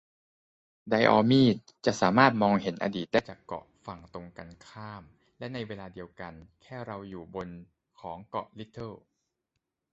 ไดออมีด จะสามารถมองเห็นอดีตได้จากเกาะฝั่งตรงกันข้าม และในเวลาเดียวกันแค่เราอยู่บนของเกาะลิตเติล